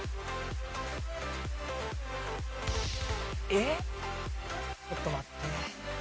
えっちょっと待って。